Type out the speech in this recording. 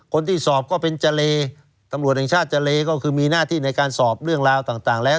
คนที่สอบก็เป็นเจรตำรวจแห่งชาติเจรก็คือมีหน้าที่ในการสอบเรื่องราวต่างแล้ว